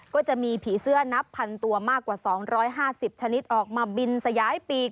ก็จะมีผีเสื้อนับพันตัวมากกว่า๒๕๐ชนิดออกมาบินสยายปีก